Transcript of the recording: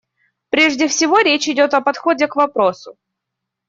Прежде всего речь идет о подходе к вопросу.